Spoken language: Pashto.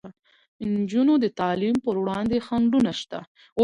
د نجونو د تعلیم پر وړاندې خنډونه شته.